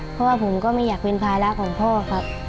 เพราะว่าผมก็ไม่อยากเป็นภาระของพ่อครับ